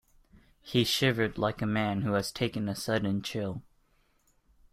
He shivered like a man who has taken a sudden chill.